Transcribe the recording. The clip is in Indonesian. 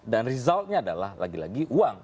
dan resultnya adalah lagi lagi uang